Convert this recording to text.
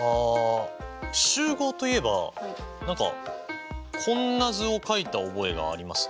集合といえば何かこんな図を描いた覚えがありますね。